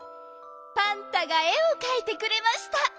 パンタがえをかいてくれました。